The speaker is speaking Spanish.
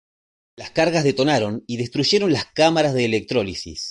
Las cargas detonaron y destruyeron las cámaras de electrólisis.